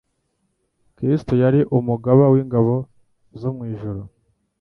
Kristo yari umugaba w'ingabo zo mu ijuru;